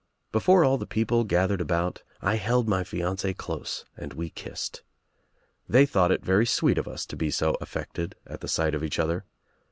Before all the people gathered about I held my fiancee close and we kissed. They thought it very sweet of us to be so affected at the sight of each other.